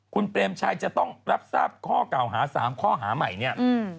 คุณเปรมชัยจะต้องรับทราบข้อเก่าหา๓ข้อหาใหม่เนี่ย